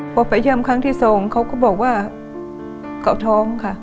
พอไปเยี่ยมครั้งที่สองเขาก็บอกว่าเขาท้องค่ะ